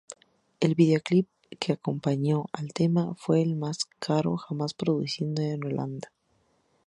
El vídeoclip que acompañó al tema fue el más caro jamás producido en Holanda.